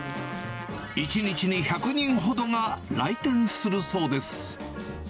１日に１００人ほどが来店するそうです。